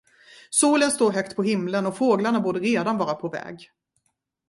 Solen står högt på himlen, och fåglarna borde redan vara på väg.